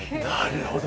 なるほど。